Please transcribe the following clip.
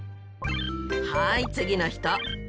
はい次の人。